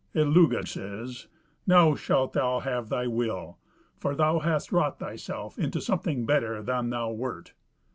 Illugi says, "Now shalt thou have thy will, for thou hast wrought thyself into something better than thou wert."